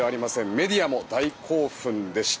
メディアも大興奮でした。